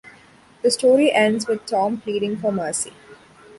The story ends with Tom pleading for mercy.